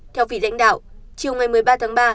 theo vị lãnh đạo chiều ngày một mươi ba tháng ba